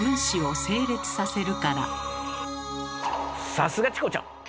さすがチコちゃん！